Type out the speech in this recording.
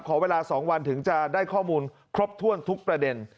ขอเวลา๒วันถึงจะได้ข้อมูลครบถ้วนทุกประเด็น